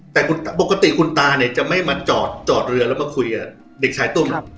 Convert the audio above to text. แต่ปกติคุณตาเนี่ยจะไม่มาจอดเรือแล้วมาคุยกับเด็กชายตุ้ม